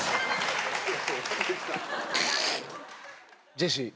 ジェシー